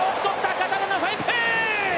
堅田がファインプレー。